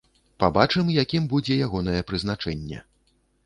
Пабачым, якім будзе ягонае прызначэнне.